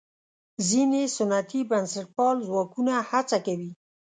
ځینې سنتي بنسټپال ځواکونه هڅه کوي.